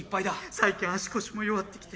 最近足腰も弱ってきて。